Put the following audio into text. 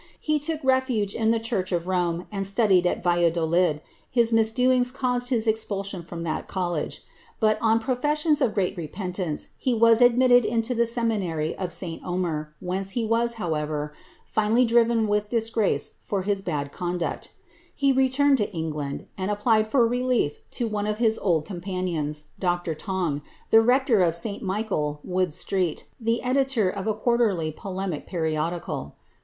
He took refuge in the lurch of Rome, and studied at Valladolid ; his misdoings caused his cpalsion from that college ; but, on professions of great penitence, he as admitted into the seminary of St Omer, whence he was, however, sally driven with disgrace for his bad conduct He returned to Eng nd, and applied for relief to one of his old companions. Dr. Tong, the ctor of Sl Michael, Wood street, the editor of a quarterly polemical •nodical.